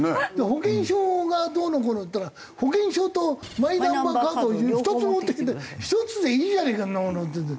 保険証がどうのこうのっていったら保険証とマイナンバーカードを２つ持ってきて１つでいいじゃねえかそんなものっていって。